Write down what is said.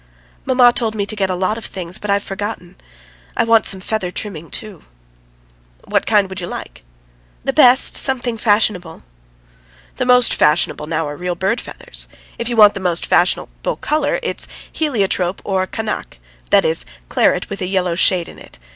"Mamma told me to get a lot of things, but I've forgotten. I want some feather trimming too." "What kind would you like?" "The best, something fashionable." "The most fashionable now are real bird feathers. If you want the most fashionable colour, it's heliotrope or kanak that is, claret with a yellow shade in it.